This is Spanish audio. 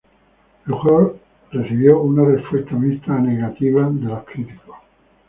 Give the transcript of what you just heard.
El juego recibió una respuesta mixta a negativa de los críticos.